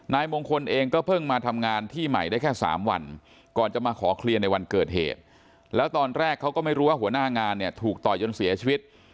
นายมงคลเองก็เพิ่งมาทำงานที่ใหม่ได้แค่๓วันก่อนจะมาขอเคลียร์ในวันเกิดเหตุแล้วตอนแรกเขาก็ไม่รู้ว่าหัวหน้างานเนี่ยถูกต่อยจนเสียชีวิต